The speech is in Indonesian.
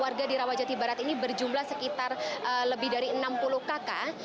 warga di rawajati barat ini berjumlah sekitar lebih dari enam puluh kakak